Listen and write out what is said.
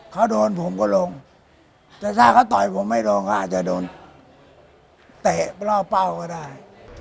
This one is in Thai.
เขาโดนผมก็ลงแต่ถ้าเขาต่อยผมไม่ลงเขาอาจจะโดนเตะล่อเป้าก็ได้